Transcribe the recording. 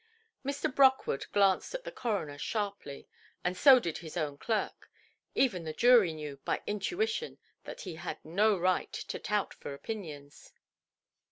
Mr. Brockwood glanced at the coroner sharply, and so did his own clerk. Even the jury knew, by intuition, that he had no right to tout for opinions.